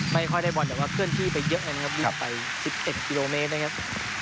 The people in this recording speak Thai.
ไม่ค่อยได้บอลแต่ว่าเคลื่อนที่ไปเยอะเลยนะครับวิ่งไป๑๑กิโลเมตรนะครับ